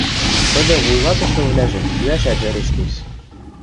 Кыды вуйлатышывлӓжӹм лӱӓшӓт вӓрештеш...